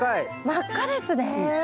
真っ赤ですね。